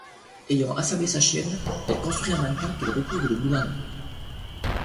Ayant affamé sa chienne, elle construit un mannequin qu'elle recouvre de boudin noir.